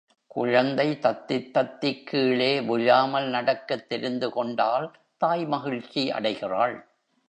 குழந்தை தத்தித் தத்திக் கீழே விழாமல் நடக்கத் தெரிந்து கொண்டால் தாய் மகிழ்ச்சி அடைகிறாள்.